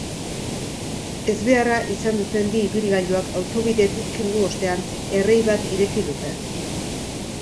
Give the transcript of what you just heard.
Ezbeharra izan duten bi ibilgailuak autobidetik kendu ostean, errei bat ireki dute.